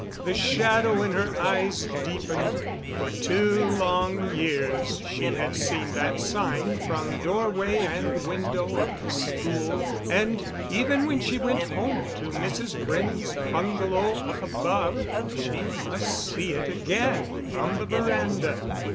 The shadow in her eyes deepened. For two long years she had seen that sign from doorway and window of the school, and, even when she went home to Mrs. Brennan's bungalow up above, she must see it again from the veranda.